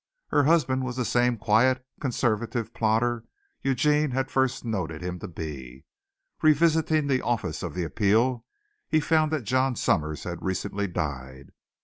Her husband was the same quiet, conservative plodder Eugene had first noted him to be. Revisiting the office of the Appeal he found that John Summers had recently died.